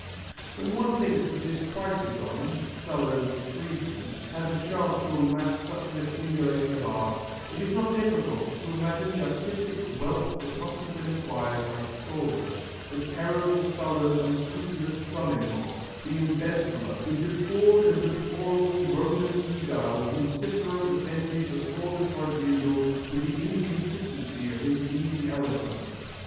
When one thinks that this Chrysogon, Sulla's freedman, had the chance to amass such an accumulation of art, it is not difficult to imagine the artistic wealth that must have been acquired by Scaurus, the terrible Sulla's unscrupulous son in law, the embezzler, the deplored and deplorable Roman Ædile whom Cicero defended before the tribunal with the inconsistency of his easy eloquence.